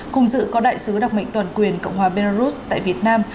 cùng dự có đại sứ đặc mệnh toàn quyền cộng hòa belarus tại việt nam